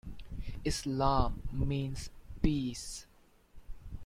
Islam means peace.